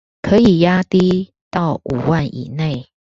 可以壓低到五萬以內